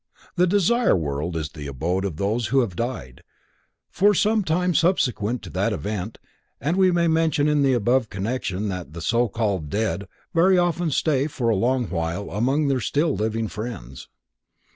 The Desire World is the abode of those who have died, for some time subsequent to that event, and we may mention in the above connection that the so called "dead" very often stay for a long while among their still living friends.